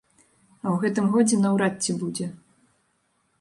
А ў гэтым годзе наўрад ці будзе.